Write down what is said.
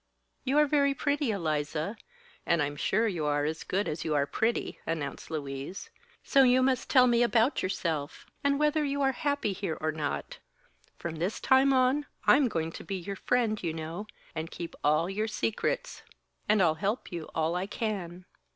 "You are very pretty, Eliza; and I'm sure you are as good as you're pretty," announced Louise. "So you must tell me about yourself, and whether you are happy here or not. From this time on I'm going to be your friend, you know, and keep all your secrets; and I'll help you all I can."